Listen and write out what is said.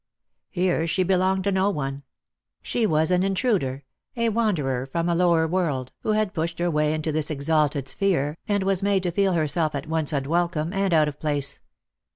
Here, she belonged to no one. She was an intruder, a wan derer from a lower world, who had pushed her way into this exalted sphere, and was made to feel herself at once unwelcome and out of place.